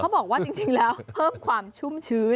บอกว่าจริงแล้วเพิ่มความชุ่มชื้น